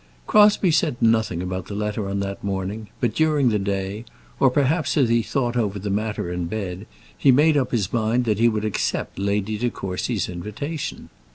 Crosbie said nothing about the letter on that morning; but during the day, or, perhaps, as he thought over the matter in bed, he made up his mind that he would accept Lady De Courcy's invitation.